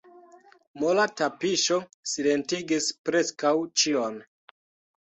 Mola tapiŝo silentigis preskaŭ ĉion.